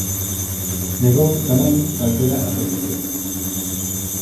Negou tamén calquera asociación.